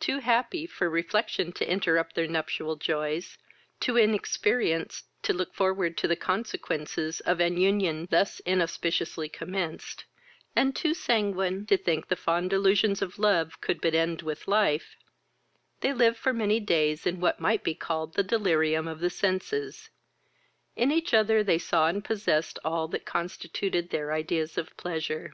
Too happy for reflection to interrupt their nuptial joys, too inexperienced to look forward to the consequences of an union thus inauspiciously commenced, and too sanguine to think the fond delusions of love could end but with life, they lived for many days in what might be called the delirium of the senses: in each other they saw and possessed all that constituted their ideas of pleasure.